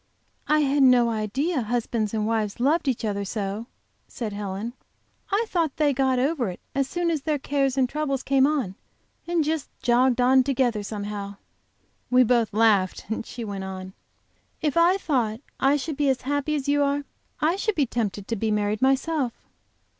"I had no idea husbands and wives loved each other so," said Helen. "I thought they got over it as soon as their cares and troubles came on, and just jogged on together, somehow." We both laughed and she went on. "If I thought I should be as happy as you are, I should be tempted to be married myself."